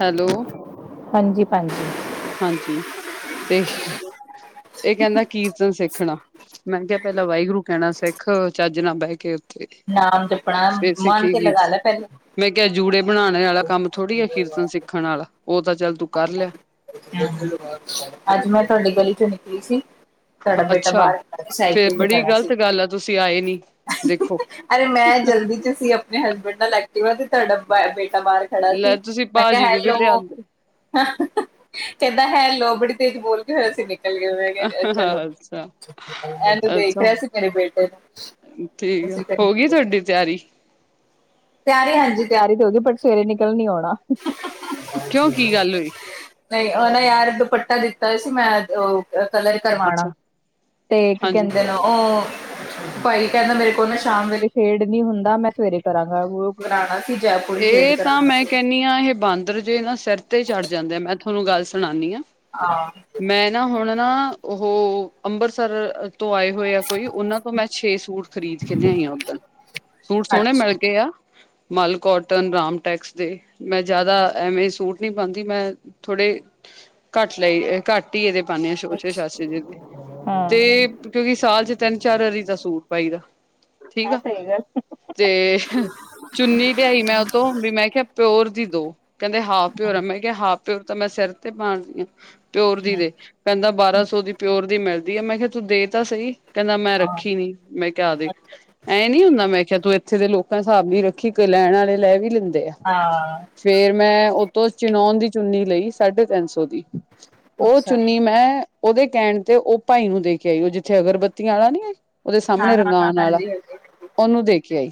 Hello? ਹਾਂਜੀ ਹਾਂਜੀ। ਹਾਂਜੀ ਤੇ। ਇਹ ਕਹਿੰਦਾ ਕੀ? ਕੀਰਤਨ ਸਿੱਖਣਾ ਮੈਂ ਕਿਹਾ ਪਹਿਲਾਂ ਵਾਹਿਗੁਰੂ ਕਹਿਣਾ ਸਿੱਖ ਚੱਜ ਨਾਲ ਬਹਿ ਕੇ। ਤੇ ਨਾਮ ਜਪਣਾ ਫੇਰ ਮਨ ਸਿੱਖੀ ਤੇ ਲਗਾ ਕੀਰਤਨ ਲੈ ਪਹਿਲੇ ਮੈਂ ਕਿਹਾ ਜੂੜੇ ਬਣਾਣੇ ਵਾਲਾ ਕੰਮ ਥੋੜ੍ਹੀ ਆ ਕੀਰਤਨ ਸਿੱਖਣ ਵਾਲਾ ਉਹ ਤਾਂ ਚੱਲ ਤੂੰ। ਕਰ ਲਿਆ। ਹਾਂ ਅੱਜ ਮੈਂ ਤੁਹਾਡੇ ਗਲੀ ਚੋਂ ਨਿਕਲੀ ਸੀ? ਤੁਹਾਡਾ ਬੇਟਾ ਅੱਛਾ ਬਾਹਰ ਫੇਰ ਸਾਈਕਲ ਤੇ ਬੜੀ ਖੜਾ ਸੀ ਗ਼ਲਤ ਗੱਲ ਆ ਤੁਸੀਂ ਆਏ ਨੀ ਦੇਖੋ ਅਰੇ ਮੈਂ ਜਲਦੀ ਤੇ ਸੀ ਆਪਣੇ ਹਸਬੈਂਡ ਨਾਲ ਲੈ ਕੇ। ਮੈਂ ਤੇ ਤੁਹਾਡਾਡੱਬਾ ਬ ਬਾਹਰ ਖੜਾ ਸੀ ਲੈ ਤੁਸੀਂ ਮੈਂ ਕਿਹਾ ਭਾਜੀ ਨੂੰ ਵੀ ਹੈਲੋ ਲਿਆਂਦੇ ਕਹਿੰਦਾ ਹੈ ਲੋਬੜੀ ਤੇਜ ਬੋਲ ਕੇ ਹੋਏਆ ਸੀ ਨਹੀਂ। ਨ ਚਲੋ ਅੱਛਾ ਇਹਨੂੰ ਦੇਖ ਅੱਛਾ ਰਿਹਾ ਅਸੀਂ ਘਰੇ ਬੇਟੇ ਨੂੰ ਠੀਕ ਆ ਅਸੀ ਹੋ ਗਈ ਤੁਹਾਡੀ ਤਿਆਰੀ ਤਿਆਰੀ ਹਾਂਜੀ ਤਿਆਰੀ ਤੇ ਹੋ ਗ ਪਰ ਸਵੇਰੇ ਨਿਕਲ ਨੀ ਆਉਣਾ। ਕਿਉਂ ਕੀ ਗੱਲ ਹੋਈ? ਨਹੀਂ ਉਹ ਨਾ ਯਾਰ ਦੁਪੱਟਾ ਦਿੱਤਾ ਸੀ ਮੈਂ ਕਲਰ ਕਰਵਾਣਾ ਅੱਛਾ ਤੇ ਕੀ ਹਾਂਜੀ ਕਹਿੰਦੇ ਨੇ ਉਹ ਭਾਈ ਕਹਿੰਦਾ ਮੇਰੇ ਕੋਲ ਨਾ ਸ਼ਾਮ ਵੇਲੇ ਖੇਡ ਨੀ ਹੁੰਦਾ ਮੈਂ ਸਵੇਰੇ ਕਰਾਂਗਾ। [inaudible] ਸ਼ੇਡ ਇਹ ਤਾਂ ਕਰਾਣਾ ਮੈਂ ਸੀ ਕਹਿੰਦੀ ਹਾਂ ਇਹ ਬਾਂਦਰ ਜੇ ਨਾ ਸਿਰ ਤੇ ਚੜ ਜਾਂਦੇ ਆ ਮੈਂ ਤੁਹਾਨੂੰ ਗੱਲ ਸੁਣਾਉਂਦੀ ਹਾਂ। ਹਾਂ ਮੈਂ ਨਾ ਹੁਣ ਨਾ ਉਹ ਅੰਮ੍ਰਿਤਸਰ ਤੋਂ ਆਏ ਹੋਏ ਆ ਕੋਈ ਉਹਨਾਂ ਤੋਂ ਮੈਂ ਛੇ ਸੂਟ ਖਰੀਦ ਕੇ ਲਿਆਈ ਆ ਉੱਧਰ ਸੂਟ ਸੋਹਣੇ ਮਿਲ ਅੱਛਾ। ਗਏ ਆ। ਮਾਲਕ ਕੋਟਨ ਰਾਮ ਟੈਕਸ ਦੇ ਮੈਂ ਜ਼ਿਆਦਾ ਐਵੇਂ ਸੂਟ ਨਹੀਂ ਪਾਂਦੀ ਮੈਂ ਥੋੜੇ ਘੱਟ ਲਏ ਘੱਟ ਹੀ ਇਹਦੇ ਪਾਣੇ ਹਾਂ ਸ਼ੋਸ਼ੇ ਸ਼ਾਸੇ ਜੇ ਵੀ ਤੇ ਹਾਂ। ਕਿਉਂਕਿ ਸਾਲ ਚ ਤਿੰਨ ਚਾਰ ਵਾਰੀ ਦਾ ਸੂਟ ਪਾਈ ਦਾ ਠੀਕ ਹਾਂ ਆ ਸਹੀ ਗੱਲ। ਤੇ ਚੁੰਨੀ ਮੈਂ ਉਹ ਤੋਂ ਵੀ ਮੈਂ ਕਿਹਾ ਪਿਓਰ ਦੀ ਦੋ ਕਹਿੰਦੇ ਹਾਫ ਪਿਓਰ ਆ ਮੈਂ ਕਿਹਾ ਹਾਫ ਪਿਓਰ ਤਾਂ ਮ ਮੈਂ ਸਿਰ ਤੇ ਪਾ ਪਿਓਰ ਦੀ ਦੇ ਕਹਿੰਦਾ ਬਾਰਾਂ ਸੌ ਦੀ ਪਿਓਰ ਦੀ ਮਿਲਦੀ। ਵਧੀਆ ਮੈਂ ਕਿਹਾ ਤੂੰ ਦੇ ਤਾਂ ਸਹੀ। ਕਹਿੰਦਾ ਮੈਂ ਹਾਂ ਰੱਖੀ ਨੀ ਮੈਂ ਕਿਹਾ ਆ ਦੇਖ ਐਂ ਨੀ ਹੁੰਦਾ ਮੈਂ ਕਿਹਾ ਤੂੰ ਇੱਥੇ ਦੇ ਲੋਕਾਂ ਨੇ ਹਿਸਾਬ ਨਹੀਂ ਰੱਖੀ ਲੈਣ ਵਾਲੇ ਲੈ ਵੀ ਲੈਂਦੇ। ਆ ਹਾਂ ਫਿਰ ਮੈਂ ਤੋਂ ਚਣਾਉਣ ਦੀ ਚੁੰਨੀ ਲਈ ਸਾਢੇ ਤਿੰਨ ਸੌ ਦੀ ਉਹ ਅੱਛਾ ਚੁੰਨੀ ਮੈਂ ਉਹਦੇ ਕਹਿਣ ਤੇ ਉਹ ਭਾਈ ਨੂੰ ਦੇ ਕੇ ਆਈ ਉਹ ਜਿੱਥੇ ਅਗਰਬੱਤੀ ਵਾਲਾ ਨੀ ਓਦੇ ਹਾਂ ਸਾਹਮਣੇ ਹਾਂ ਹਾਂ ਰੰਗਾਣ ਆਲਾ ਹਾਂਜੀ ਹਾਂਜੀ ਹਾਂਜੀ ਉਹਨੂੰ ਦੇ ਕੇ ਆਈ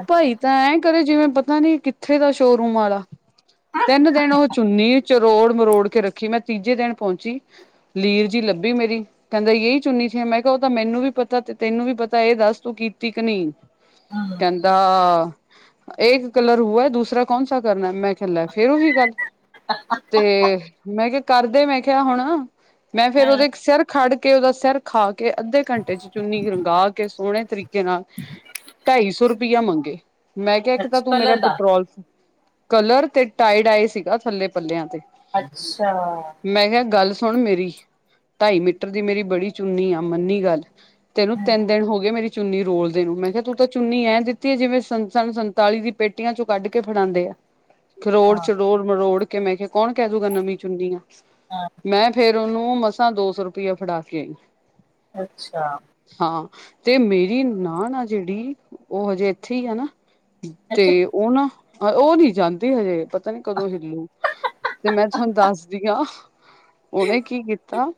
ਅੱਛਾ। ਭਾਈ ਤਾਂ ਐਂ ਕਰੇ ਜਿਵੇਂ ਪਤਾ ਨੀ ਕਿੱਥੇ ਦਾ ਸ਼ੋਰੂਮ ਵਾਲਾ ਤਿੰਨ ਦਿਨ ਉਹ ਚੁੰਨੀ ਚਰੋੜ ਮਰੋੜ ਕੇ ਰੱਖੀ ਮੈਂ ਤੀਜੇ ਦਿਨ ਪਹੁੰਚੀ ਲੀਰ ਜੀ ਲੱਭੀ ਮੇਰੀ ਕਹਿੰਦਾ ਯਹੀ ਚੁੰਨੀ ਸੀ ਮੈਂ ਕਿਹਾ ਤਾਂ ਮੈਨੂੰ ਵੀ ਪਤਾ ਤੈਨੂੰ ਵੀ ਪਤਾ ਇਹ ਦੱਸ ਤੂੰ ਕੀਤੀ ਕੀ ਨਹੀਂ ਹੂੰ ਕਹਿੰਦੇ ਹਾਂ ਏਕ ਕਲਰ ਹੁਆ ਦੂਸਰਾ ਕੌਣਸ ਕਰਨਾ ਮੈਂ ਲਾ ਫੇਰ ਉਹੀ ਗੱਲ ਤੇ ਮੈਂ ਕਿਹਾ। ਕਰਦੇ ਮੈਂ ਕਿਹਾ ਹੁਣ ਮੈਂ ਫੇਰ ਉਹਦੇ ਇੱਕ ਸਿਰ ਖੜ ਕੇ ਕੇ ਉਹਦਾ ਸਿਰ ਖਾ ਕੇ ਅੱਧੇ ਘੰਟੇ ਚ ਚੁੰਨੀ ਰੰਗਾ ਕੇ ਸੋਹਣੇ ਤਰੀਕੇ ਨਾਲ ਢਾਈ ਸੌ ਰੁਪ ਰੁਪਈਆ ਮੰਗੇ ਮੈਂ ਕਿਹਾ ਇੱਕ ਤਾਂ ਅੱਛਾ ਤੂੰ ਮੇਰਾ ਕਲਰ ਦਾ ਪੈਟਰੋਲ ਕਲਰ ਤੇ ਟਾਈ ਡਾਈ ਸੀਗਾ ਥੱਲੇ ਪੱਲਿਆਂ ਤੇ ਅੱਛਾ, ਮੈਂ ਕਿਹਾ ਗੱਲ ਸੁਣ ਮੇਰੀ ਢਾਈ ਮੀਟਰ ਦੀ ਮੇਰੀ ਬੜੀ ਚੁੰਨੀ ਆ ਮੰਨੀ ਗੱਲ ਤੈਨੂੰ ਤਿੰਨ ਦਿਨ ਹੋ ਗਏ ਮੇਰੀ ਚੁੰਨੀ ਰੋਲਦੇ ਨੂੰ ਮੈਂ ਕਿਹਾ ਤੂੰ ਤਾਂ ਚੁੰਨੀ ਐ, ਤੀ ਜਿਵੇਂ ਸੰ ਸਾਨੂੰ ਸੰਤਾਲੀ ਦੀ ਪੇਟੀਆਂ ਚੋਂ ਕੱਢ ਕੇ ਫੜਾਂਦੇ ਆ। ਖਰੋੜ ਹਾਂ ਚਰੋੜ ਮਰੋੜ, ਕਿ ਮੈਂ ਕਿਹਾ, ਕੌਣ ਕਹਿ ਦੂਗਾ ਨਵੀਂ ਚੁੰਨੀ ਆਂ ਹਾਂ ਮੈਂ ਫੇਰ ਫਿਰ ਉਹਨੂੰ ਮਸਾਂ ਦੋ ਸੌ ਰੁਪਇਆ ਫੜਾ ਕੇ ਆਈ। ਅੱਛਾ, ਹਾਂ ਤੇ ਮੇਰੀ ਮਾ ਨਾ ਜਿਹੜੀ ਉਹ ਹਜੇ ਠੀਕ ਹੈ ਨਾ, ਅੱਛਾ ਤੇ ਉਹ ਨਾ ਉਹ ਨਹੀਂ ਜਾਂਦੀ ਹਜੇ, ਪਤਾ ਨੀ ਕਦੋਂ ਹਿੱਲੂ ਤੇ ਮੈਂ ਤੁਹਾਨੂੰ ਦੱਸਦੀ ਆ ਉਹਨੇ ਕੀ ਕੀਤਾ।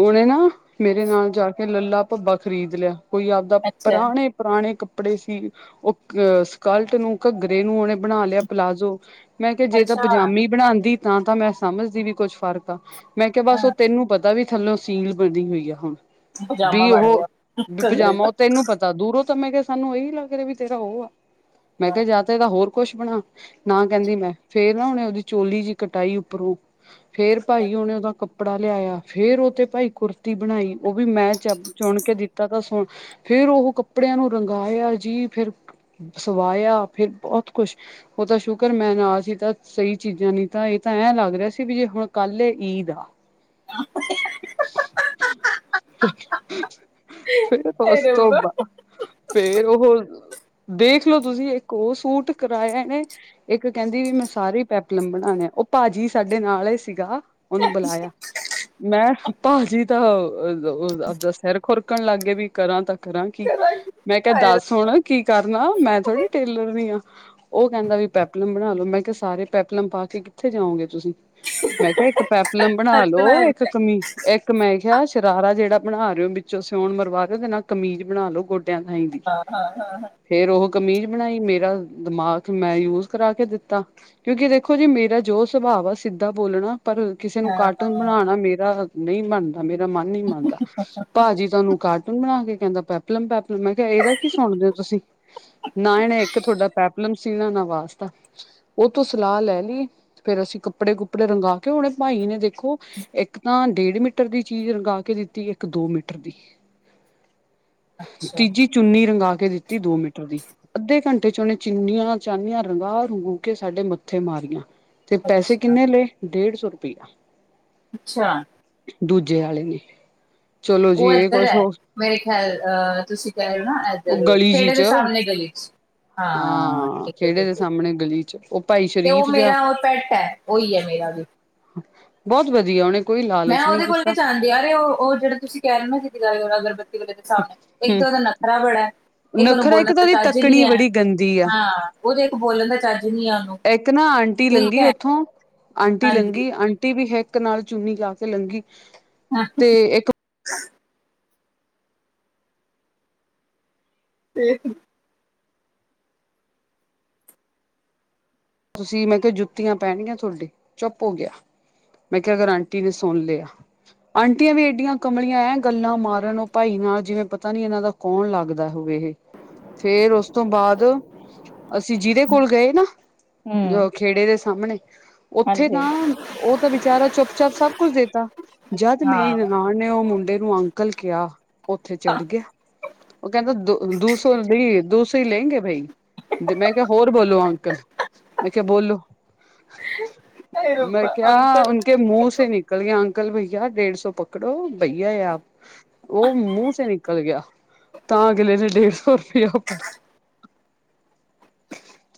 ਔਨੇ ਨਾ, ਮੇਰੇ ਨਾਲ ਜਾ ਕੇ ਲੱਲਾ ਭੱਬਾ ਖਰੀਦ ਲਿਆ। ਕੋਈ ਆਪਦਾ ਅੱਛਾ ਪੁਰਾਣੇ ਪੁਰਾਣੇ ਕਪੜੇ ਕੱਪੜੇ ਸੀ ਉਹ ਅਹ ਸਕਾਲਟ ਨੂੰ ਘੱਗਰੇ ਨੂੰ ਉਹਨੇ ਬਣਾ ਲਿਆ ਪਲਾਜ਼ੋ ਮੈਂ ਕਿਹਾ ਜੇ ਤਾਂ ਅੱਛਾ ਪਜਾਮੀ ਬਣਾਦੀ ਤਾਂ ਤਾਂ ਮੈਂ ਸਮਝਦੀ ਵੀ ਕੁੱਝ ਫ਼ਰਕ ਆ ਮੈਂ ਕਿਹਾ ਬਸ ਹਾਂ ਉਹ ਤੈਨੂੰ ਪਤਾ ਵੀ ਥੱਲੋਂ ਸੀਲ ਬਣੀ ਹੋਈ ਆ ਹੁਣ ਪਜਾਮਾ ਵੀ ਬਣ ਉਹ ਗਿਆ ਵੀ ਘੱਗਰੇ ਪਜਾਮਾ ਦਾ। ਉਹ ਤ ਇਹਨੂੰ ਪਤਾ ਦੂਰੋਂ ਤੇ ਮੈ ਕਿਹਾ ਸਾਨੂੰ ਇਹੀ ਲੱਗ ਰਿਹਾ ਵੀ ਤੇਰਾ ਉਹ ਆ ਮੈਂ ਕਿਹਾ ਜਾ ਤੇ ਤਾਂ ਹੋਰ ਕੁਛ ਬਣਾ ਨਾ ਕਹਿੰਦੀ ਮੈਂ ਫੇਰ ਨਾ ਉਹਨੇ ਉਹਦੀ ਚੋਲੀ ਜਿਹੀ ਕਟਾਈ ਉੱਪਰੋਂ ਫੇਰ ਪਾਈ ਓਹਨੇ ਉਹਦਾ ਕੱਪੜਾ ਲਿਆਇਆ ਫੇਰ ਉਹ ਤੇ ਭਾਈ ਕੁੁਰਤੀ ਬਣਾਈ ਉਹ ਵੀ ਮੈਂ ਚ ਚੁਣ ਕੇ ਦਿੱਤਾ ਤਾਂ ਸੁਣ ਫੇਰ ਉਹ ਕੱਪੜਿਆਂ ਨੂੰ ਰੰਗਾਇਆ ਜੀ ਫਿਰ ਸਵਾਇਆ ਫੇਿਰ ਬਹੁਤ ਕੁਛ ਉਹ ਤਾਂ ਸ਼ੁਕਰ ਮੈਂ ਨਾਲ ਸੀ ਤਾਂ ਸਹੀ ਚੀਜ਼ਾਂ ਨੀ ਤਾਂ ਇਹ ਤਾਂ ਐਂ ਲੱਗ ਰਿਹਾ ਸੀ ਵੀ ਜੇ ਹੁਣ ਕੱਲ ਈਦ ਆ ਫਿਰ ਹਾਏ ਉਸ ਤੋਂ ਰੱਬਾ ਬਾਅਦ ਫੇਰ ਉਹ ਦੇਖਲੋ ਤੁਸੀਂ ਇੱਕ ਉਹ ਸੂਟ ਕਰਾਯਾ ਏ ਇੱਕ ਕਹਿੰਦੀ ਵੀ ਮੈਂ ਸਾਰੇ ਪੈਪਲਮ ਬਣਾਉਣੇ ਆ ਉਹ ਭਾਜੀ ਸਾਡੇ ਨਾਲ ਸੀਗਾ ਉਹਨੂੰ ਬੁਲਾਇਆ ਮੈਂ ਭਾਜੀ ਤਾਂ ਆਪਦਾ ਸਿਰ ਖੁਰਕਣ ਲੱਗ ਗਏ ਵੀ ਕਰਾਂ ਤਾ ਕਰਾਂ ਕੀ ਕਰਾਂਗੀ ਮੈਂ ਕਿਹਾ ਹਾਏ ਦੱਸ ਰੱਬਾ ਹੁਣ ਕੀ ਕਰਨਾ ਮੈਂ ਥੋੜ੍ਹੀ ਟੇਲਰ ਉਹ ਕਹਿੰਦਾ ਵੀ ਪੈਪਲਮ ਬਣਾ ਲੋ ਮੈਂ ਕਿਹਾ ਸਾਰੇ ਪੈਪਲਮ ਪਾ ਕੇ ਕਿੱਥੇ ਜਾਊਂਗੇ ਤੁਸੀਂ ਮੈਂ ਕਿਹਾ ਇੱਕ ਪੈਪਲਮ ਬਣਾ ਹੱਸਣਾ ਲੋਓ ਇੱਕ ਇਹਨੇ। ਕਮੀਜ ਇੱਕ ਮੈਂ ਕਿਹਾ ਸ਼ਰਾਰਾ ਜਿਹੜਾ ਬਣਾ ਰਹੇ ਹੋ ਵਿੱਚੋਂ ਸਿਓਣ ਮਰਵਾ ਕੇ ਉਹਦੇ ਨਾਲ ਕਮੀਜ਼ ਬਣਾ ਲੋ ਗੋਡਿਆ। ਹਾਂ ਹਾਂ ਹਾਂ ਫੇਰ ਉਹ ਕਮੀਜ਼ ਬਣਾਈ ਮੇਰਾ ਦਿਮਾਗ ਮੈਂ ਯੂਜ ਕਰਾ ਕੇ ਦਿੱਤਾ ਕਿਉਂਕਿ ਦੇਖੋ ਜੀ ਮੇਰਾ ਜੋ ਸੁਭਾਵ ਆ ਸਿੱਧਾ ਬੋਲਣਾ। ਪਰ ਕਿਸੇ ਨੂੰ ਹਾਂ ਕਾਰਟੂਨ ਹਾਂ ਬਣਾਣਾ ਮੇਰਾ, ਨਹੀਂ ਮੰਨਦੇ, ਮੇਰਾ ਮਨ ਨੀ ਮੰਨਦਾ ਭਾਜੀ ਤੁਹਾਨੂੰ ਕਾਰਟੂਨ ਬਣਾ ਕੇ, ਕਹਿੰਦਾ ਪੇਪਲਮ ਪੇਪ, ਮੈਂ ਕਿਹਾ ਇਹਦਾ ਕੀ ਸੁਣਦੇ ਹੋ ਤੁਸੀਂ? ਨਾ ਇਹਨੇ ਇੱਕ ਤੁਹਾਡਾ ਪੈਪਲਮ ਸੀਨਾ ਨਾ ਵਾਸਤਾ ਉਹ ਤੋਂ ਸਲਾਹ ਲੈ ਲਈ ਫੇਰ ਅਸੀਂ ਕੱਪੜੇ ਕੁਪੜੇ ਰੰਗਾ ਕੇ ਉਹਣੇ ਭਾਈ ਨੇ ਦੇਖ। ਦੇਖੋ ਇੱਕ ਤਾਂ, ਡੇਢ ਮੀਟਰ ਦੀ ਚੀਜ਼ ਰੰਗਾ ਕੇ ਦਿੱਤੀ ਇੱਕ ਦੋ ਮੀਟਰ ਦੀ, ਅੱਛਾ ਤੀਜੀ ਚੁੰਨੀ ਰੰਗਾ ਕੇ ਦਿੱਤੀ ਦੋ ਮੀਟਰ ਦੀ ਅੱਧੇ ਘੰਟੇ ਚ ਉਹਨੇ ਚਿੰਨੀਆਂ ਚਾਨੀਆਂ ਰੰਗਾ ਰਗੂ ਕੇ ਸਾਡੇ ਮੱਥੇ ਮਾਰੀਆਂ। ਤੇ ਪੈਸੇ ਅੱਛਾ ਕਿੰਨੇ ਲਏ ਡੇਢ ਸੋ, ਚੁਪੀ [unintelligible] ਅੱਛਾ, ਦੂਜੇ ਆਲੇ ਨੇ, ਚਲੋ ਜੀ ਉਹ ਇਹ ਇੱਧਰ ਕੁਛ ਹੈ ਹੋ ਮੇਰੇ ਖਿਆਲ ਅਹ, ਤੁਸੀਂ ਕਹਿ ਰਹੇ ਹੋ ਨਾ ਉਹ ਐਦਰ ਗਲੀ ਜੀ ਖੇੜੇ ਚ ਦੇ ਸਾਹਮਣੇ ਗਲੀ ਚ ਹਾਂ ਠੀਕ ਹੈ ਖੇੜੇ ਦੇ ਠੀਕ ਹੈ ਸਾਹਮਣੇ ਗਲੀ ਚ ਉਹ ਭਾਈ ਤੇ ਉਹ ਸ਼ਰੀਫ ਜਿਹਾ ਮੇਰਾ ਪੈਟ ਹੈ ਉਹੀ ਹੈ ਮੇਰਾ ਵੀ, ਬਹੁਤ ਵਧੀਆ ਉਹਨੇ ਕੋਈ ਮੈਂ ਲਾਲਚ ਨਹੀਂ ਉਹਦੇ ਕੋਲ ਨੀ ਕੀਤਾ ਜਾਂਦੀ ਆ ਔ ਉਹ ਜਿਹੜਾ ਤੁਸੀਂ ਕਹਿ ਰਹੇ ਨਾ ਸੀ ਅਗਰਬ ਇੱਕ ਹੂੰ ਤਾਂ ਉਹਦਾ ਨਖਰਾ ਬੜਾ ਹੈ। ਉਹਨੂੰ ਨਖਰਾ ਬੋਲਣ ਇੱਕ ਤਾਂ ਉਹਦੀ ਤੱਕਣੀ ਬੜੀ ਗੰਦੀ ਆ। ਉਹ ਤੇ ਇੱਕ ਬੋਲਣ ਦਾ ਚਦਾ ਇੱਕ ਨਾ ਆਂਟੀ ਲੰਘੀ ਉੱਥੋਂ ਆਂਟੀ ਹਾਂਜੀ ਲੰਘੀ ਆਂਟੀ ਵੀ ਹੈ। ਇੱਕ ਨਾਲ ਚੁੰਨੀ ਲਾ ਕੇ ਲੰਘੀ ਤੇ ਇੱਕ ਤੇ ਤੁਸੀਂ ਮੈਂ ਕਿਹਾ ਜੁੱਤੀਆਂ ਪੈਣਗੀਆਂ ਤੁਹਾਡੇ ਚੁੱਪ ਹੋ ਗਿਆ ਮੈਂ ਕਿਹਾ ਅਗਰ ਆਂਟੀ ਨੇ ਸੁਣ ਲਿਆ ਆਂਟੀਆਂ ਵੀ ਏਡੀਆਂ ਕਮਲੀਆਂ ਐ ਗੱਲਾਂ ਮਾਰਨ ਉਹ ਭਾਈ ਨਾਲ ਜਿਵੇਂ ਪਤਾ ਨੀ ਇਹਨਾਂ ਦਾ ਕੌਣ ਲੱਗਦਾ। ਹੋ ਫੇਰ ਉਸ ਤੋਂ ਬਾਅਦ ਅਸੀਂ ਜਿਹਦੇ ਕੋਲ ਗਏ ਨਾ ਜੋ ਹੂੰ ਖੇੜੇ ਸਾਹਮਣੇ ਉੱਥੇ ਹਾਂਜੀ ਤਾਂ ਉਹ ਤਾਂ ਬੇਚਾਰਾ ਚੁੱਪ ਚਾੱਪ ਸਭ ਕੁਛ ਦੇਤਾ ਜਦ ਮੇਰੀ ਹਾਂ ਨਨਾਣ ਨੇ ਉਹ ਮੁੰਡੇ ਨੂੰ ਅੰਕ ਕਲ ਕਿਆ ਉੱਥੇ ਚੜ੍ਹ ਗਿਆ ਉਹ ਕਹਿੰਦਾ ਦੋ ਦੋ ਸੌ ਵੀ ਦੋ ਸੌ ਲੈਗੇ ਬਈ ਤੇ ਮੈਂ ਕਿਹਾ ਹੋਰ ਬੋਲੋ ਅੰਕਲ ਮੈਂ ਕਿਹਾ ਬੋਲੋ ਐ ਮੈਂ ਰੱਬਾ ਕਿਹਾ ਅੰਕਲ ਉਨ ਕੇ ਮੁੂੰਹ ਸੇ ਨਿਕਲ ਗਿਆ ਅੰਕ ਅੰਕਲ ਭਈਆ ਡੇਢ ਸੌ ਪਕੜੋ ਬਈ ਆ ਆਪ ਉਹ ਮੁੂੰਹ ਸੇ ਨਿਕਲ ਗਿਆ ਤਾਂ ਅਗਲੇ ਨੇ ਡੇਢ ਸੌ ਰੁਪਇਆ ਫ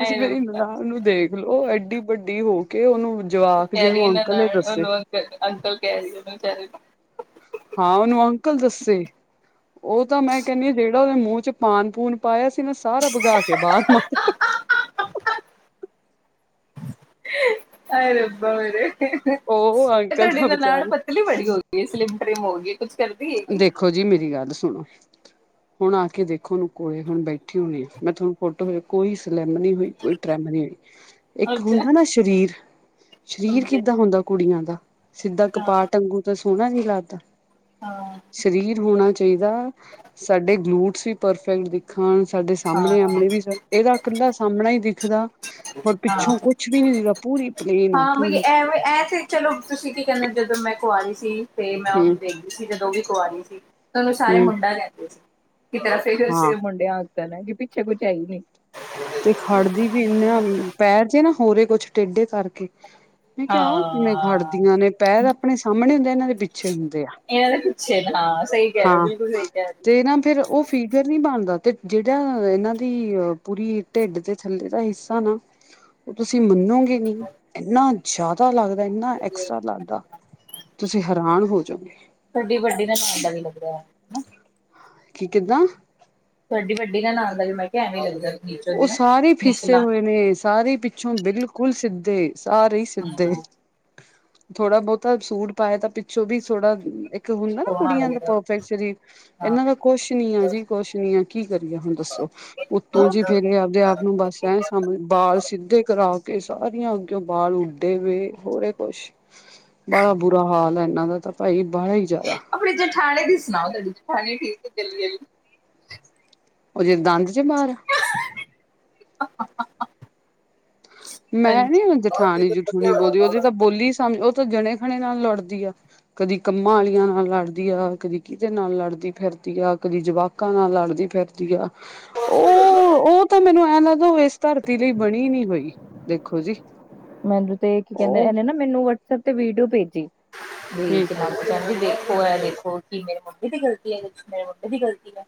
ਹਾਏ ਰੱਬਾ ਉਹਨੂੰ ਦੇਖਲੋ ਐਡੀ ਵੱਡੀ ਹੋ ਕੇ ਉਹਨੂੰ ਓਹ ਜਵਾਕ ਕਹਿ ਰਹੀ ਜਿਹਨੂੰ ਆ ਨਾ ਅੰਕਲ ਏ ਨਾਲ ਦੱਸੇ ਉਹਨ ਅੰਕਲ-ਅੰਕਲ ਕਹਿ ਰਹੀ ਆ ਉਹਨੂੰ ਬੇਚਾਰੇ ਨੂੰ ਹਾਂ ਉਹਨੂੰ ਅੰਕਲ ਦੱਸੇ ਉਹ ਤਾਂ ਮੈਂ ਕਹਿੰਨੀ ਆ ਜਿਹੜਾ ਉਹਦੇ ਮੂੰਹ ਚ ਪਾਨ ਪੂਨ ਪਾਇਆ ਸੀ ਨਾ ਸਾਰਾ ਭਗਾ ਕੇ ਬਾਹ ਹਾਏ ਰੱਬਾ ਮੇਰੇ ਉਹ ਅੰਕਲ ਤੁਹਾਡੇ ਦਾ ਨਨਾਣ ਵਿਚਾਰੇ ਪਤਲੀ ਬੜੀ ਹੋ ਗਈ ਸਲਿਮ ਟ੍ਰਿਮ ਹੋ ਗਈ ਕੁਝ ਕਰਦੀ ਹੈਗੀ ਦੇਖੋ ਜੀ ਮੇਰੀ ਗੱਲ ਸੁਣੋ ਹੁਣ ਆ ਕੇ ਦੇਖੋ ਓਹਨੂੰ ਕੋਲੇ ਹੁਣ ਬੈਠੀ ਹੋਣੀ ਆ ਮੈਂ ਤੁਹਾਨੂੰ ਫੋਟੋ ਕੋਈ ਸਲਿੱਮ ਨਹੀਂ ਹੋਈ ਕੋਈ ਟਰੈਮ ਨੀ ਹੋਈ ਇੱਕ ਅੱਛਾ ਹੁੰਦਾ ਨਾ ਸਰੀਰ ਸਰੀਰ ਸਮਝੇ ਕਿੱਦਾਂ ਹੁੰਦਾ ਕੁੜੀਆਂ ਦਾ [unintelligible] ਸਿੱਧਾ ਹਾਂ ਕਪਾਅ ਟੰਗੂ ਤੇ ਸੋਣਾ ਜੀ। ਲੱਤ ਹਾਂ ਸਰੀਰ ਹੋਣਾ ਚਾਹੀਦਾ ਸਾਡੇ ਗਲੂਟਸ ਵੀ ਪਰਫੈਕਟ ਦਿਖਣ ਸਾਡੇ ਸਾਹਮਣੇ ਹਾਂ ਆਮਣੇ ਵੀ ਏਦਾ ਕੱਲਾ ਸਾਹਮਣਾ ਈ ਦਿੱ ਖਦਾ ਹਾਂ- ਪਲੇਨ ਆ ਹਾਂ ਬਈ ਪੂਰੀ ਏਵੇ ਏ ਤੇ ਚਲੋ ਤੁਸੀਂ ਕੀ ਕਹਿੰਦੇ ਜਦੋਂ ਮੈਂ- ਕੁਆਰੀ ਸੀ। ਤੇ ਮੈਂ ਹੂੰ ਉਨੂੰ ਦੇਖਦੀ ਸੀ ਜਦੋਂ ਵੀ- ਕੁਆਰੀ ਸੀ। ਉਹਨੂੰ ਸਾਰੇ ਹੂੰ ਮੁੰਡਾ ਕਹਿੰਦੇ ਸੀ। ਕੀ ਤੇਰਾ ਹਾਂ [unintelligible] ਮੁੰਡਿਆ ਕਹਿਣਾ ਕੀ ਪਿੱਛੇ ਕੁਛ ਹੈਈ ਨੀ ਤੇ ਖੜਦੀ ਵੀ- ਇੰਨਾ ਨ ਪੈਰ ਜੇ ਨਾ- ਹੋਰੇ ਕੁਛ ਟੇਢੇ ਕਰਕੇ ਮੈਂ ਕਿਆ ਹਾਂ ਆ ਕਿਵੇਂ ਖੜਦੀਆਂ ਨੇ, ਪੈਰ ਆਪਣੇ ਸਾਮਣੇ ਹੁੰਦੇ ਇਨਾਂ ਦੇ ਪਿੱਛੇ ਹੁੰਦੇ ਆ, ਇਹਨਾਂ ਦੇ ਪਿੱਛੇ ਹਾਂ ਸਹੀ ਕਹਿ ਰਹੇ ਹੋ ਹਾਂ ਬਿਲਕੁਲ ਸਹੀ ਕਹਿ ਰਹੇ ਹੋ ਤੇ ਨਾ ਫੇਰ ਉਹ ਫੀਗਰ ਨੀ ਬਣਦਾ ਤੇ ਜੇੜਾ ਇਹਨਾਂ ਦੀ ਅ ਪੂਰੀ ਢਿੱਡ ਦੇ ਥੱਲੇ ਦਾ ਹਿੱਸਾ ਨਾ ਓ ਤੁਸੀਂ ਮੰਨੋਗੇ ਨੀ ਨੀ ਇਨਾ ਜ਼ਾਦਾ ਲੱਗ ਏਨਾ ਐਕਸਟਰਾ ਲੱਗਦਾ ਤੁਸੀਂ ਹੈਰਾਨ ਹੋ ਜੋਗੇ। ਤਾਡੀ ਵੱਡੀ ਨਨਾਣ ਦਾ ਵੀ ਲੱਗਦਾ । ਕੀ ਕਿੱਦਾਂ ਤਾਡੀ ਵੱਡੀ ਨਨਾਣ ਦਾ ਵੀ ਮੈਂ ਕਿਆ ਐਵੇਂ ਈ ਲੱਗਦਾ। ਨੀਚੋ ਓ ਦੀ ਨਾ ਸਾਰੇ ਫੀਸੇ ਨਿਚਲਾ ਹੋਏ ਨੇ ਸਾਰੇ ਪਿੱਛੋਂ ਬਿਲਕੁਲ ਸਿੱਧ ਤੇ ਸਾਰੇ ਈ ਸਿੱਧੇ। ਹਮ ਥੋੜਾ ਬੋਤਾ ਸੂਟ ਪਾਇਆ ਤਾਂ ਪਿੱਛੋਂ ਵੀ ਥੋੜਾ ਇਕ ਇਕ ਹੁੰਦਾ ਨਾ ਸੋਹਣਾ ਕੁੜੀਆਂ ਦਾ ਲੱਗਦਾ ਪਰਫੈਕਟ ਸਰੀਰ ਹਾਂ ਇਨਾਂ ਦਾ ਕੁਛ ਨੀ ਆ ਜੀ ਕੁਛ ਨੀ ਆ ਕੀ ਕਰੀਏ, ਹੁਣ ਦੱਸੋ ਉੱਤੋਂ ਜੀ ਫੇਰ ਇਹ ਆਪਦੇ ਆਪ ਨੂੰ ਬਸ ਐ ਸਮਝ ਬਾਲ ਸਿੱਧੇ ਕਰਾ ਕੇ ਕੇ ਸਾਰੀਆਂ ਅੱਗਿਓ ਬਾਲ ਉੱਡੇ ਹੋਏ ਹੋਰੇ ਐ ਕੁਛ ਬੜਾ ਬੁਰਾ ਹਾਲ ਹੈ ਇਹਨਾਂ ਦਾ ਤਾਂ ਭਾਈ- ਬਾਹਲਾ ਹੀ ਜ਼ਿਆਦਾ ਆਪਨੀ ਜੇਠਾਨੀ ਦੀ ਸੁਨਾਓ ਕਦੀ ਹਾਂਜੀ ਠੀਕ ਏ। ਉਹਦੇ ਦੰਦ ਚ ਮਾਰ ਹਾ-ਹਾ-ਹਾ-ਹਾ-ਹਾ ਮੈਂ ਨੀ ਜੇਠਾਣੀ ਜਠੁਣੀ ਬੋਲਦੀ ਉਹਦੀ ਤਾ ਬੋਲੀ ਹੀ ਸਮਝ ਤਾਂ ਜਣੇ ਖਣੇ ਨਾਲ ਲੜਦੀ ਆ, ਕਦੀ ਕੰਮਾਂ ਵਾਲੀਆਂ ਨਾਲ ਲੜਦੀ ਆ, ਕਦੀ ਕਿਦੇ ਨਾਲ ਲੜਦੀ ਫਿਰਦੀ ਆ, ਕਦੀ ਜਵਾਕਾਂ ਨਾਲ ਲੜਦੀ ਫਿਰਦੀ ਆ। ਉਹ ਉਹ ਤੇ ਮੈਨੂੰ ਐਂ ਹਾਂ ਮੈਂ ਕਿਹਾ, ਉਹ ਇਸ ਧਰਤੀ ਲਈ ਬਨੀ ਨੀ ਹੋਈ। ਦੇਖੋ ਜੀ ਮੈਨੂੰ ਤੇ ਕੀ ਕਹਿੰਦੇ, ਉਹ ਇਹਨੇ ਨਾ ਮੈਨੂੰ ਵਟਸਐਪ ਤੇ ਵੀਡੀਓ ਭੇਜੀ। [unintelligible] ਹੂੰ ਦੇਖੋ ਇਹ ਦੇਖੋ ਕਿ ਮੇਰੇ ਮੁੰਡੇ ਦੀ ਗਲਤੀ ਐ, ਇਸ ਚ ਮੇਰੇ ਮੁੰਡੇ ਦੀ ਗ਼ਲਤੀ ਐ।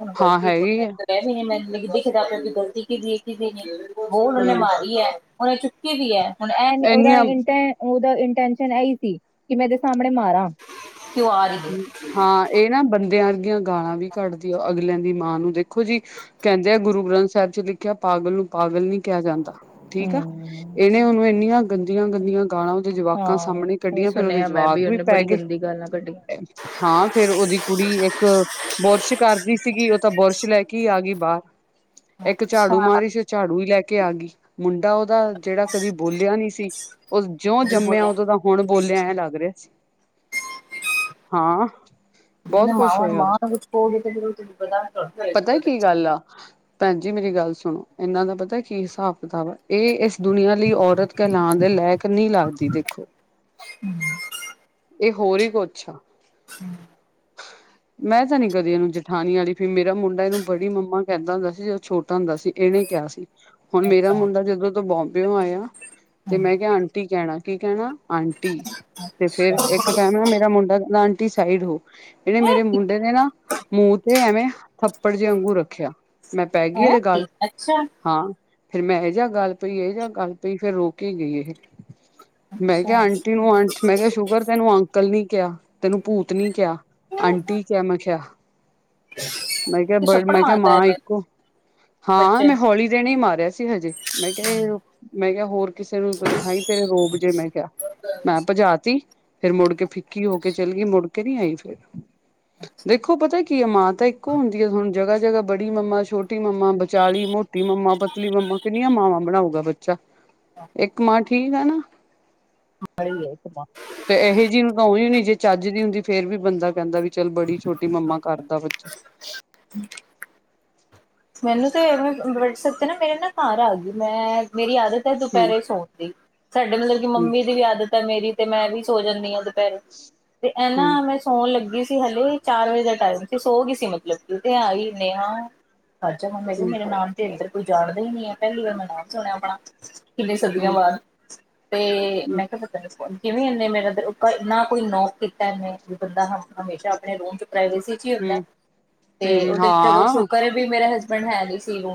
ਹੁਣ ਹਾਂ ਗਲਤੀ ਤੋ [inaudible] ਕਿ ਹੈਗੀ ਆ ਵਾਕੇ ਚ ਗਲਤੀ ਕੀਦੀ ਏ ਕੀਹਦੀ ਐ ਕੀਹਦੀ ਨਹੀਂ। ਬੋਲ ਉਹਨੇ ਹੂੰ ਮਾਰੀ ਐ। [unintelligible] ਕਿਦੀ ਆ ਹੁਨ ਇਹੀਂ ਇਹਦਾ ਇੰਨੀਆਂ ਏਜੇਂਟ ਆ ਉਹਦਾ ਓਹੀ ਟੈਂਸ਼ਨ ਆਹੀ ਤੀ, ਕਿ ਮੈਂ ਓਹਦੇ ਸਾਹਮਣੇ ਮਾਰਾਂ। ਕਿਉਂ ਆ ਰਹੀ ਹੈ ਹੰ ਹਾਂ ਇਹ ਨਾ ਬੰਦਿਆਂ ਦੀਆਂ ਗਾਲਾਂ ਵੀ ਕੱਢਦੀ ਏ ਅਗਲਿਆਂ ਦੀ ਮਾਂ ਨੂੰ, ਦੇਖੋ ਜੀ ਕਹਿੰਦੇ ਆ ਗੁਰੂ ਗ੍ਰੰਥ ਸਾਹਿਬ ਚ ਲਿਖਿਆ ਪਾਗਲ ਨੂੰ ਪਾਗ ਗਲ ਨੀ ਕਿਹਾ ਜਾਂਦਾ, ਠੀਕ ਆ, ਹਮ, ਇਹਨੇ ਉਹਨੂੰ ਇੰਨੀਆਂ ਗੰਦੀਆਂ-ਗੰਦੀਆਂ ਗਾਲਾਂ ਉਹਦੇ ਜਵਾਕਾਂ ਸਾਹਮਣੇ ਹਾਂ ਇਹ ਕੱਢੀਆਂ, ਫੇਰ ਉਹਦੇ ਸੁਣਿਆ ਮੈਂ ਜਵਾਕ ਵੀ ਉਹਨੇ ਪਏ ਬੜੀ ਗਏ। ਗੰਦੀ ਗੱਲਾਂ ਕੱਢੀਆਂ ਹਾਂ ਫੇਰ ਉਹਦੀ ਕੁੜੀ ਇੱਕ ਬੁਰਸ਼ ਕਰਦੀ ਸੀਗੀ, ਉਹ ਤਾ ਬੁਰਸ਼ ਲਏ ਕੇ ਈ ਆ ਗਈ ਬਾਹਰ। ਇੱਕ ਝਾੜੂ ਮਾਰ ਰਹੀ ਸੀ, ਉਹ ਝਾੜੂ ਹੀ ਲਏ ਕੇ ਆ ਗਈ, ਮੁੰਡਾ ਓਹਦਾ ਜਿਹੜਾ ਕਦੀ ਬੋਲਿਆ ਈ ਨੀ ਸੀ, ਉਹ ਜਿਉਂ ਜੰਮਿਆ ਓਹਦੋਂ ਦਾ ਹੁਣ ਬੋਲਿਆ ਐਂ ਲੱਗ ਰਿਹਾ ਸੀ। ਹਾਂ ਬਹੁਤ ਹੰ ਕੁਛ ਮਾਂ ਹੋਇਆ ਮਾਂ ਨੂੰ ਕੁਛ ਕਹੋਗੇ ਤੇ ਫਿਰ ਓਹ ਤੇ ਫਿਰ [inaudible] ਭੈਨ ਜੀ ਮੇਰੀ ਗੱਲ ਸੁਨੋ, ਇਹਨਾਂ ਦਾ ਪਤਾ ਹੈ ਕੀ ਹਿਸਾਬ ਕਿਤਾਬ ਆ, ਇਹ ਇਸ ਦੁਨੀਆਂ ਲਈ ਔਰਤ ਕਹਿਲਾਉਣ ਦੇ ਲਾਈਕ ਨਹੀਂ ਲੱਗਦੀ ਦੇਖੋ, ਇਹ ਹੋਰ ਹੀ ਕੁਛ ਆ। ਹਮ ਮੈਂ ਤਾ ਨੀ ਕਦੀ ਇਹਨੂੰ ਜੇਠਾਣੀ ਆਲੀ ਫੀਲ ਦਾ ਮੁੰਡਾ ਇਹਨੂੰ ਬੜੀ ਮੰਮਾ ਕਹਿੰਦਾ ਵੇ। [unintelligible] ਤੇ ਅਸੀ ਤੇ ਓਹਨੂੰ ਕਿਹਾ ਸੀ, ਹੁਨ ਮੇਰਾ ਮੁੰਡਾ ਜਦੋਂ ਤੋਂ [unintelligible] ਆਇਆ, ਤੇ ਮੈਂ ਕਿਹਾ ਆਂਟੀ ਕਹਿਣਾ ਕੀ ਕਹਿਣਾ ਆਂਟੀ ਤੇ ਫੇਰ ਇੱਕ ਟਾਈਮ ਨਾ ਮੇਰਾ ਮੁੰਡਾ ਆਟੀ ਸਾਈਡ ਹੋ ਇਹਨੇ ਮੇਰੇ ਮੁੰਡੇ ਨੇ ਨਾ ਮੂੰਹ ਤੇ ਐਵੇਂ ਥੱਪੜ ਜੇ ਅੰਗੂ ਰੱਖਿਆ ਮੈਂ ਪੈ ਗਈ ਇਹਦੇ ਗੱਲ ਹਾਂ। ਫਿਰ ਮੈਂ ਇਹ ਜਿਹਾ ਗੱਲ ਪਈ ਇਹ ਜਿਹਾ ਗੱਲ ਪਈ ਫੇਰ ਰੋਕੇ ਗਈ ਇਹ ਮੈਂ ਕਿਹਾ ਆਂਟੀ ਨੂੰ ਆਂ ਮੈਂ ਕਿਹਾ ਸ਼ੁਕਰ ਤੈਨੂੰ ਅੰਕਲ ਨੀ ਕਿਆ, ਤੈਨੂੰ ਭੂਤ ਨੀ ਕਿਹਾ ਆਂਟੀ ਕਿਹਾ ਮੈਂ ਕਿਹਾ। ਮੈਂ ਕਿਹਾ ਬ ਮੈਂ ਕਿਹਾ ਮਾਂ ਇੱਕੋ ਹਾਂ ਮੈਂ ਹੌਲੀ ਦੇਨੇ ਮਾਰੀ ਰਿ ਸੀ ਹਜੇ ਮੈਂ ਕਿਹਾ ਮੈਂ ਕਿਹਾ ਹੋਰ ਕਿਸੇ ਨੂੰ ਦਿਖਾਈ। ਫਿਰ ਰੋਬ ਜੇ ਮੈਂ ਕਿਹਾ ਮੈਂ ਭਜਾ ਤ ਫੇਰ ਮੁੜ ਕੇ ਫਿੱਕੀ ਹੋ ਗ ਕੇ ਚੱਲ ਗਈ ਮੁੜ ਕੇ ਨੀ ਆਈ ਫੇਰ ਦੇਖੋ, ਪਤਾ ਕੀ ਆ ਮਾਂ ਤਾਂ ਇੱਕੋ ਹੁੰਦੀ ਹੈ ਹੁਣ ਜਗ੍ਹਾ-ਜਗ੍ਹਾ ਬੜੀ ਮੰਮਾ ਛੋਟੀ ਮੰਮਾ ਵਿਚਾਲੀ ਮੋਟੀ ਮੰਮਾ ਪਤਲੀ ਮੰਮਾ ਕਿੰਨੀਆਂ ਮਾਵਾਂ ਬਣਾਉਗਾ ਬੱਚਾ ਇੱਕ ਮਾਂ ਠੀਕ ਆ ਨਾ ਵਾਲੀ ਹੈ ਇੱਕ ਮਾਂ ਤੇ ਇਹੋ ਜਿਹੀ ਨੂੰ ਤਾਂ ਜ ਨੀ ਜੇ ਚੱਜ ਨਹੀਂ ਹੁੰਦੀ ਫੇਰ ਵੀ ਬੰਦਾ ਕਹਿੰਦਾ ਵੀ ਚੱਲ ਬੜੀ ਛੋਟੀ ਮੰਮਾ ਕਰਦਾ ਬੱਚਾ ਮੈਨੂੰ ਤੇਵੇ ਵੇਸੇ ਐ ਤੇ ਨਾ ਮੇਰੇ ਨਾ ਘਰ ਆ ਗਈ ਮੈਂ ਮੇਰੀ ਆਦਤ ਤੇ ਹੂੰ ਦੁਪਹਿਰੇ ਸੌਣ ਦੀ ਸਾਡੇ ਮਤਲਬ ਕਿ ਹੂੰ ਮੰਮੀ ਦੀ ਵੀ ਆਦਤ ਤਾਂ ਮੇਰੀ ਤੇ ਮੈਂ ਵੀ ਸੋ ਜਾਂਨੀ ਹਾਂ। ਤੇ ਇਹਨਾ ਹੂੰ ਮੈਂ ਸੌਣ ਲੱਗੀ। ਹਲੇ ਚਾਰ ਵਜੇ ਦਾ ਟਾਈਮ ਸੀ ਸੋ ਗਈ ਸੀ ਮਤਲਬ ਕਿ ਆਈੇ ਨੇਹਾ, ਅੱਜ ਮੰਮਾ ਹੂੰ ਮੇਰਾ ਨਾਮ ਤੇ ਇੰਦਰ ਕੋਈ ਜਾਣਦਾ ਹੀ ਨੀ ਹੈ ਪਹਿਲੀ ਵਾਰ ਮੈਂ ਨਾਮ ਸੁਣਿਆ ਆਪਣਾ ਕਿੰਨੇ ਸਦੀਆਂ ਹੂੰ ਬਾਅਦ ਤੇ ਹੂੰ ਮੈਂ ਕਿਹਾ ਪਤਾ ਫੋਨ ਕਿਵੇਂ ਇਹਨੇ ਮੇਰਾ ਆਪਾਂ ਇੰਨਾ ਕੋਈ ਨੋਕ ਕੀਤਾ ਇਹਨੇ ਵੀ ਬੰਦਾ ਹ ਹਮੇਸ਼ਾ ਆਪਣੇ ਰੂਮ ਚ ਪਰਾਈਵੇਸੀ ਚ ਹੀ ਹੁੰਦਾ, ਹੂੰ ਤੇ ਹੂੰ ਉਹਦੇ ਚਲੋ ਹਾਂ ਸੁਕਰ ਐ, ਮੇਰਾ ਹਸਬੈਂਡ ਹੈ ਨੀ ਸੀਗਾ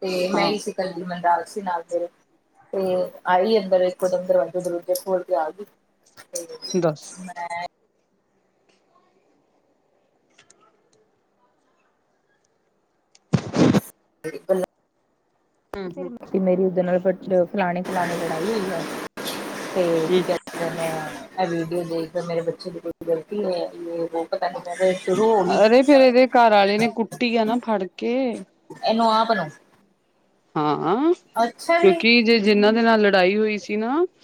ਤੇ ਮੈਂ ਹਾਂ ਈ ਸੀ ਕੱਲੀ ਮੈ ਨਾਲ ਸੀ ਨਾਲ ਮ ਤੇ ਆਈ ਅੰਦਰ ਉਦਮ ਦਰਵਾਜੇ-ਦਰਵਾਜੇ ਖੋਲ ਕੇ ਆ ਗਈ। ਦੱਸ ਮੈਂ [unintelligible] [inaudible] [inaudible] ਗਰੀਬਾਂ ਨਾ ਹੂੰ ਫੇਰ ਹੂੰ ਮਤੀ ਮੇਰੀ ਉੱਧੇ ਨਾਲ ਫਟ ਦੋ ਫਲਾਣੇ ਇਨ੍ਹਾਂ ਦੀ ਲੜਾਈ ਹੋਈ ਐ। ਤੇ ਕੀ ਹੂੰ ਕੈੰਦੇ ਨੇ ਐ ਵੀਡੀਓ ਦੇਖਦਾ ਮੇਰੇ ਬੱਚੇ ਦੀ ਕੋਈ ਗ਼ਲਤੀ ਹੈ ਯੇ ਵੋ ਪਤਾ ਨੀ ਮੈਤੇ ਅਰੇ ਫੇਰ ਇਦੇ ਘਰ ਆਲੇ ਨੇ ਕੁੱਟੀ ਆ ਨਾ ਫੜ ਕੇ ਅਲੋ ਹਾਂ। ਹਾਂ, ਕਿਉਂਕਿ ਜੇ ਜਿੰਨਾਂ ਦੇ ਨਾਲ ਲੜ ਲੜਾਈ ਹੋਈ ਸੀ ਨਾ